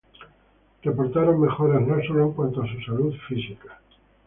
reportaron mejoras no solo en cuanto a su salud física